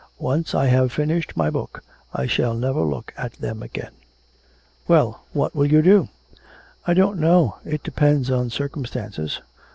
Once I have finished my book I shall never look at them again.' 'Well, what will you do?' 'I don't know; it depends on circumstances.'